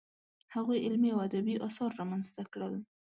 هغوی علمي او ادبي اثار رامنځته کړل.